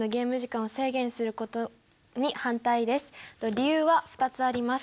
理由は２つあります。